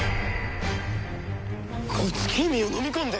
こいつケミーをのみ込んで！